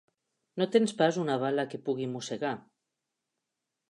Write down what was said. No tens pas una bala que pugui mossegar?